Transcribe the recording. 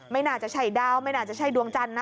ไม่น่าจะใช่ดาวไม่น่าจะใช่ดวงจันทร์นะ